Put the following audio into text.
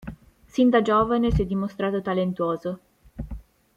Sin da giovane si è dimostrato talentuoso.